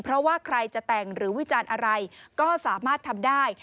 เพราะว่าใครจะแต่งหรือวิจารณ์อะไรก็สามารถทำได้